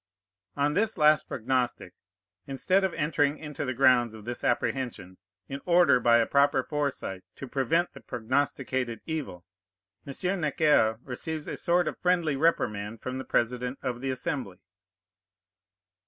On this last prognostic, instead of entering into the grounds of this apprehension, in order, by a proper foresight, to prevent the prognosticated evil, M. Necker receives a sort of friendly reprimand from the President of the Assembly.